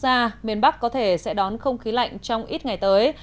ra miền bắc có thể sẽ đón không khí lạnh trong ít ngày tới